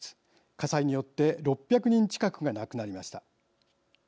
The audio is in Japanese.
火災によって６００人近くが亡くなりました。